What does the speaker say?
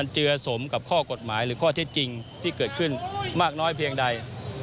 เจือสมกับข้อกฎหมายหรือข้อเท็จจริงที่เกิดขึ้นมากน้อยเพียงใด